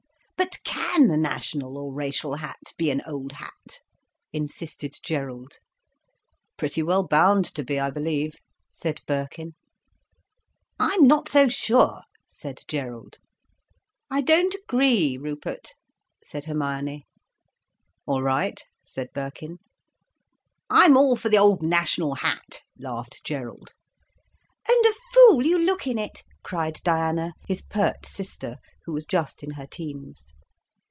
"But can the national or racial hat be an old hat?" insisted Gerald. "Pretty well bound to be, I believe," said Birkin. "I'm not so sure," said Gerald. "I don't agree, Rupert," said Hermione. "All right," said Birkin. "I'm all for the old national hat," laughed Gerald. "And a fool you look in it," cried Diana, his pert sister who was just in her teens.